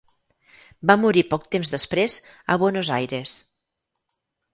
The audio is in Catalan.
Va morir poc temps després a Buenos Aires.